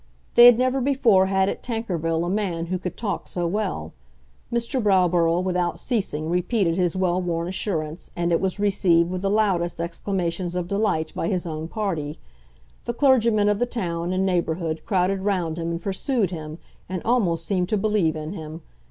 They had never before had at Tankerville a man who could talk so well. Mr. Browborough without ceasing repeated his well worn assurance, and it was received with the loudest exclamations of delight by his own party. The clergymen of the town and neighbourhood crowded round him and pursued him, and almost seemed to believe in him.